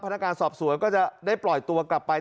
นักการสอบสวนก็จะได้ปล่อยตัวกลับไป